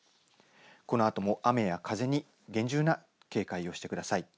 このあとも雨や風に厳重な警戒をしてください。